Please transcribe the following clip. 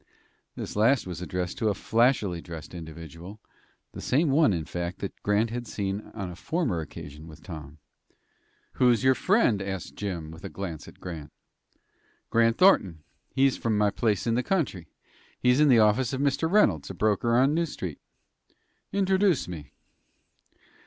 This last was addressed to a flashily dressed individual the same one, in fact, that Grant had seen on a former occasion with Tom. "Who's your friend?" asked Jim, with a glance at Grant. "Grant Thornton. He's from my place in the country. He's in the office of Mr. Reynolds, a broker in New Street." "Introduce me."